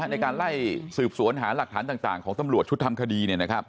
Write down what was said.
ในการไล่สืบสวนหาหลักฐานต่างของตำรวจชุดทำคดี